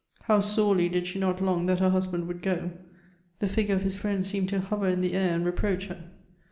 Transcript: How sorely did she not long that her husband would go ; the figure of his friend seemed to hover in the air and reproach her.